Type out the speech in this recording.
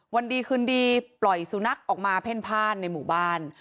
วันดีคืนดีปล่อยสุนัขออกมาเพ่นพ่านในหมู่บ้าน